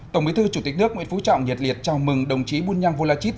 tổng bí thư chủ tịch nước nguyễn phú trọng nhiệt liệt chào mừng đồng chí bunyang volachit